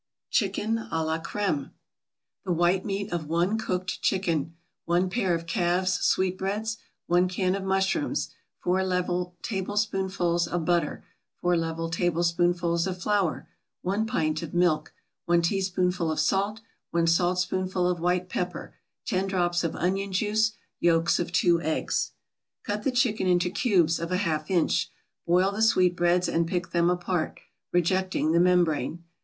CHICKEN à la CREME The white meat of one cooked chicken 1 pair of calves' sweetbreads 1 can of mushrooms 4 level tablespoonfuls of butter 4 level tablespoonfuls of flour 1 pint of milk 1 teaspoonful of salt 1 saltspoonful of white pepper 10 drops of onion juice Yolks of two eggs Cut the chicken into cubes of a half inch. Boil the sweetbreads and pick them apart, rejecting the membrane.